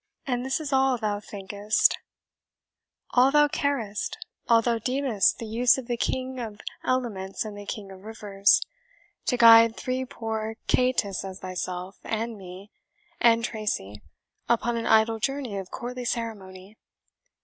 "And this is all thou thinkest all thou carest all thou deemest the use of the King of Elements and the King of Rivers to guide three such poor caitiffs as thyself, and me, and Tracy, upon an idle journey of courtly ceremony!"